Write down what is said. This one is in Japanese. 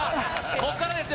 こっからですよ